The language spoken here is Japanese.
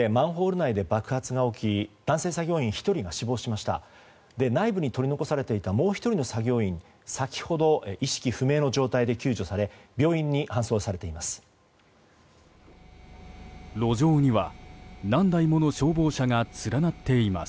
内部に取り残されていたもう１人の作業員先ほど意識不明の状態で救助され病院に搬送されています。